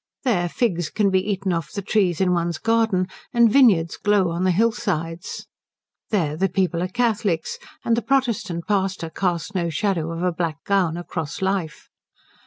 There figs can be eaten off the trees in one's garden, and vineyards glow on the hillsides. There the people are Catholics, and the Protestant pastor casts no shadow of a black gown across life.